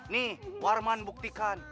nih warman buktikan